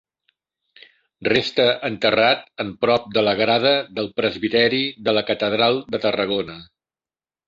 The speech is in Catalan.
Resta enterrat en prop de la grada del presbiteri de la Catedral de Tarragona.